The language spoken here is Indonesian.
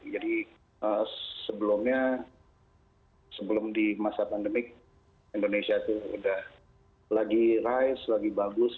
jadi sebelumnya sebelum di masa pandemi indonesia itu sudah lagi rise lagi bagus